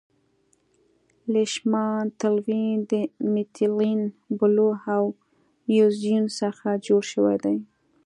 لیشمان تلوین د میتیلین بلو او اییوزین څخه جوړ شوی دی.